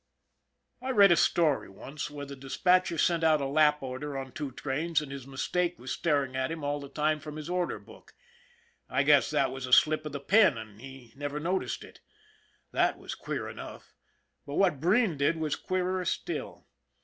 I read a story once where the dispatcher sent out a lap order on two trains and his mistake was staring at him all the time from his order book. I guess that was a slip of the pen, and he never noticed it. That was queer enough, but what Breen did was queerer still.